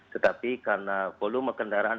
tetapi karena volume kendaraan